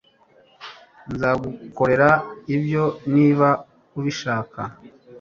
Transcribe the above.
Nzagukorera ibyo niba ubishaka